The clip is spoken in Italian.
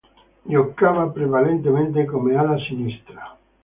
Giocava prevalentemente come ala sinistra.